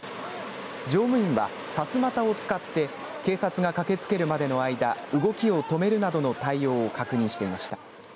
乗務員は、さすまたを使って警察が駆けつけるまでの間動きを止めるなどの対応を確認していました。